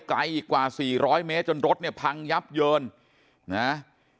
ไกลอีกกว่าสี่ร้อยเมตรจนรถเนี่ยพังยับเยินนะ